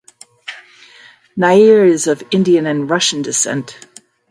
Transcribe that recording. Nair is of Indian and Russian descent.